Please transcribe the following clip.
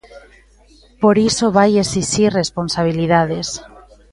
Por iso vai exixir responsabilidades.